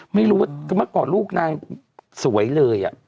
ไม่รู้ว่าเมื่อก่อนลูกนางสวยเลย